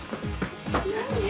何？